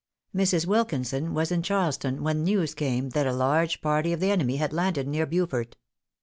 Mrs. Wilkinson was in Charleston when news came that a large party of the enemy had landed near Beaufort.